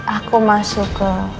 aku masuk ke